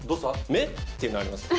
めっていうのありますよ。